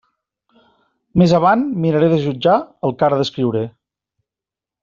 Més avant miraré de jutjar el que ara descriuré.